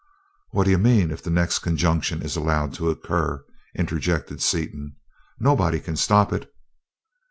"' "What d'you mean 'if the next conjunction is allowed to occur?'" interjected Seaton. "Nobody can stop it."